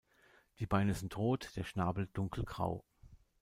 Die Beine sind rot, der Schnabel dunkelgrau.